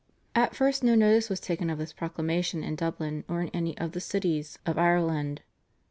At first no notice was taken of this proclamation in Dublin or in any of the cities of Ireland.